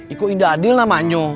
ini tidak adil namanya